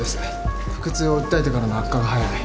腹痛を訴えてからの悪化が早い